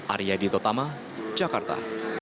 arya ditotama jakarta